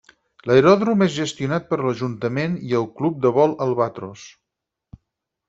L'aeròdrom és gestionat per l'ajuntament i el club de vol Albatros.